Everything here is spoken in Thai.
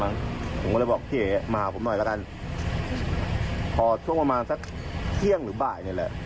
ผมก็เลยบอกพี่เอ๋มาหาผมหน่อยละกันพอช่วงประมาณสักเที่ยงหรือบ่ายนี่แหละ